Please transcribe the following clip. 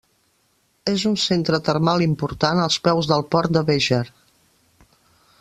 És un centre termal important als peus del Port de Béjar.